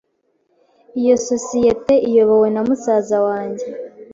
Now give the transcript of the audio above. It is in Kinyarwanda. Iyo sosiyete iyobowe na musaza wanjye.